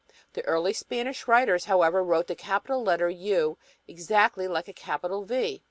The early Spanish writers, however, wrote the capital letter U exactly like a capital V.